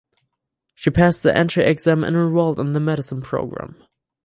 She passed the entry exam and enrolled in the medicine program.